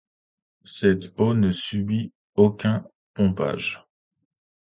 Cette eau ne subit aucun pompage.